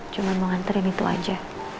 cuma mau nganterin itu aja